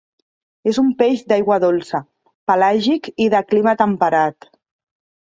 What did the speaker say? És un peix d'aigua dolça, pelàgic i de clima temperat.